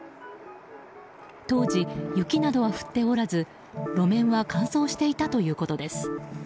当時、雪などは降っておらず路面は乾燥していたということです。